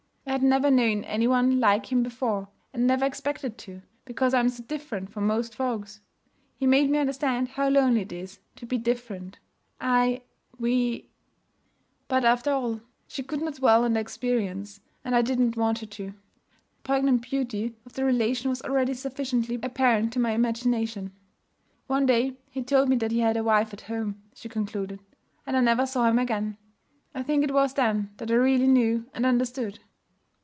I had never known any one like him before, and never expected to, because I'm so different from most folks. He made me understand how lonely it is to be different. I we ' But, after all, she could not dwell on this experience, and I did not want her to. The poignant beauty of the relation was already sufficiently apparent to my imagination. 'One day he told me that he had a wife at home,' she concluded; 'and I never saw him again. I think it was then that I really knew and understood.'